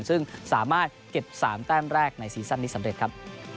ซึ่งสามารถเก็บ๓แต้มแรกในซีซั่นนี้สำเร็จครับ